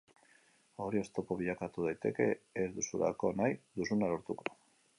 Hori oztopo bilakatu daiteke, ez duzulako nahi duzuna lortuko.